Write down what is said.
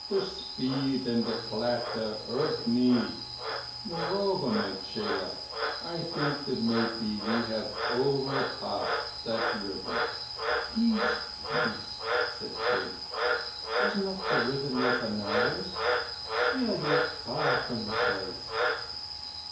"The speed and the clatter irk me. Moreover, my chela, I think that maybe we have over passed that River." "Peace, peace," said Kim. "Was not the River near Benares? We are yet far from the place."